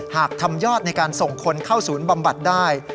หากทำยอดในการส่งคนเข้าศูนย์บำบัดได้